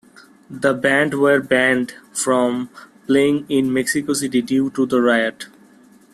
The band were banned from playing in Mexico City due to the riot.